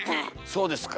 そうですか？